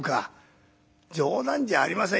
「冗談じゃありません。